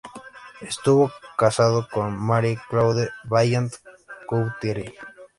Estuvo casado con Marie-Claude Vaillant-Couturier.